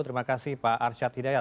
terima kasih pak arsyad hidayat